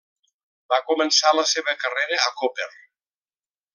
Va començar la seva carrera a Koper.